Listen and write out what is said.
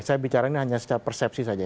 saya bicara ini hanya secara persepsi saja